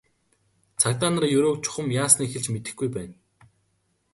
Цагдаа нар Ерөөг чухам яасныг хэлж мэдэхгүй байна.